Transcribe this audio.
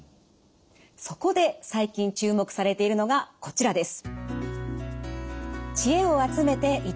そこで最近注目されているのがこちらです。